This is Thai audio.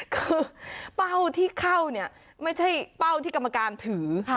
คือเป้าที่เข้าเนี่ยไม่ใช่เป้าที่กรรมการถือ